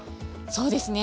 そうですね。